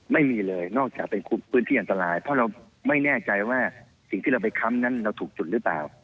ไม่มีเลยนอกจากเป็นพื้นที่อันตรายเพราะเราไม่แน่ใจว่าสิ่งที่เราไปค้ำนั้นเราถูกจุดหรือเปล่า